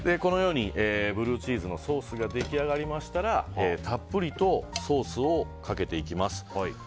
ブルーチーズのソースが出来上がりましたらたっぷりとソースをかけていきます。